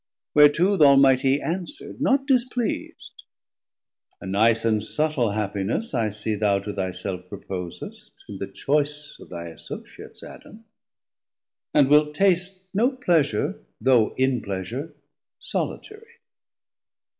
Whereto th' Almighty answer'd, not displeas'd. A nice and suttle happiness I see Thou to thy self proposest, in the choice 400 Of thy Associates, Adam, and wilt taste No pleasure, though in pleasure, solitarie.